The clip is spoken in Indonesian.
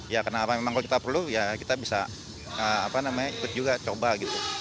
ya kenapa memang kalau kita perlu ya kita bisa ikut juga coba gitu